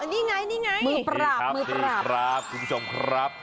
นี่ไงมือปราบคุณผู้ชมครับ